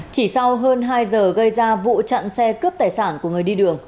chỉ sau hơn hai giờ gây ra vụ chặn xe cướp tài sản của người đi đường